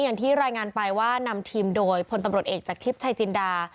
อย่างที่รายงานไปว่านำทีมโดยพลตำรวจเอกจากทิพย์ชายจินดา